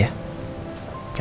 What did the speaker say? ya baca doang ya